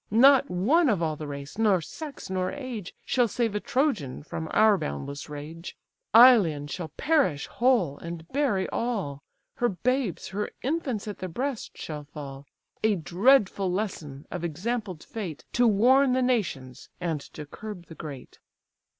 Not one of all the race, nor sex, nor age, Shall save a Trojan from our boundless rage: Ilion shall perish whole, and bury all; Her babes, her infants at the breast, shall fall; A dreadful lesson of exampled fate, To warn the nations, and to curb the great!"